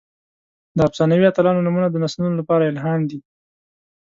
د افسانوي اتلانو نومونه د نسلونو لپاره الهام دي.